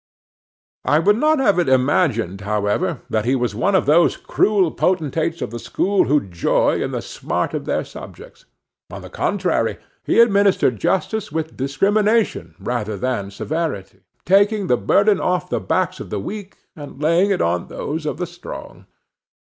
I would not have it imagined, however, that he was one of those cruel potentates of the school who joy in the smart of their subjects; on the contrary, he administered justice with discrimination rather than severity; taking the burden off the backs of the weak, and laying it on those of the strong.